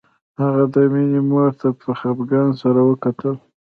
هغه د مينې مور ته په خپګان سره وکتل